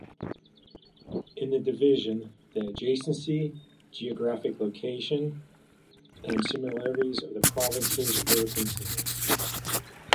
In the division, the adjacency, geographical location and similarities of the provinces were considered.